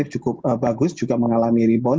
cukup bagus juga mengalami rebound